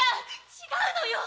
違うのよ。